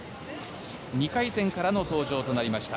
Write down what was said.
２回戦からの登場となりました。